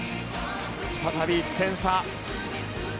再び１点差。